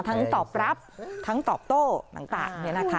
ทั้งตอบรับทั้งตอบโต้ต่างเนี่ยนะคะ